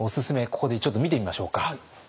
ここでちょっと見てみましょうか。